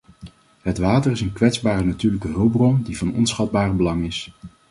Het water is een kwetsbare natuurlijke hulpbron die van onschatbaar belang is.